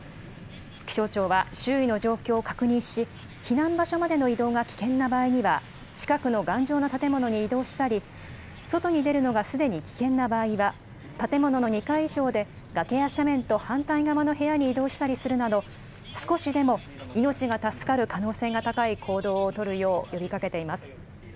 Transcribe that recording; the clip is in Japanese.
気象庁は、周囲の状況を確認し、避難場所までの移動が危険な場合には、近くの頑丈な建物に移動したり、外に出るのがすでに危険な場合は、建物の２階以上で崖や斜面と反対側の部屋に移動したりするなど、少しでも命が助かる可能性が高い行動を取るよう呼びかけています。